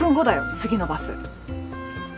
次のバス。